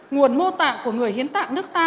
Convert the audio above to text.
nguồn mô tạng của người hiến tạng nước ta